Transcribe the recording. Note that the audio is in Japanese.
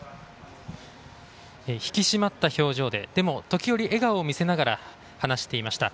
引き締まった表情ででも時折笑顔を見せながら話していました。